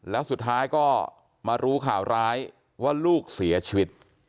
แล้วสุดท้ายก็มารู้ข่าวร้ายว่าลูกเสียชีวิต